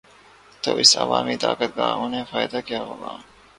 تو اس عوامی طاقت کا انہیں فائدہ کیا ہو گا؟